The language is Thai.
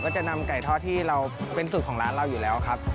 จะนำไก่ทอดที่เราเป็นสูตรของร้านเราอยู่แล้วครับ